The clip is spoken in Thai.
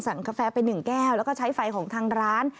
กาแฟไป๑แก้วแล้วก็ใช้ไฟของทางร้าน